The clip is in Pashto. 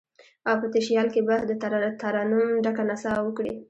او په تشیال کې به، دترنم ډکه نڅا وکړي